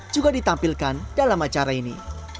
juga ditampilkan dalam acara ini